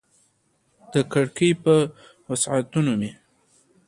د کړکۍ پر وسعتونو مې